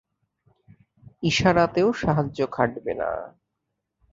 ইশারাতেও সাহায্য খাটবে না।